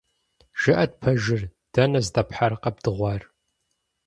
ЖыӀэт пэжыр, дэнэ здэпхьар къэбдыгъуар?